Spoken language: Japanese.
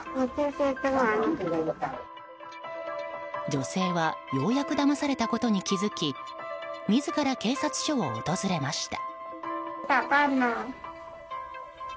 女性は、ようやくだまされたことに気づき自ら警察署を訪れました。